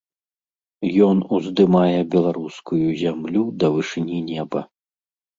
Ён уздымае беларускую зямлю да вышыні неба.